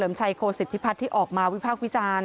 และเขาจะดูอีกทุกคน